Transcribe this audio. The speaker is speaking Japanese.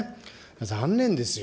残念ですよ。